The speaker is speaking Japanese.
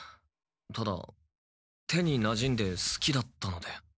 ただ手になじんですきだったので。